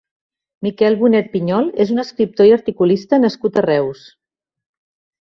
Miquel Bonet Pinyol és un escriptor i articulista nascut a Reus.